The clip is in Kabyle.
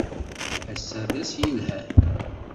Ass-a d ass yelhan!